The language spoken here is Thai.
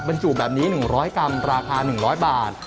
บรรจุแบบนี้๑๐๐กรัมราคา๑๐๐บาท